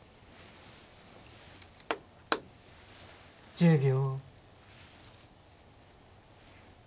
１０秒。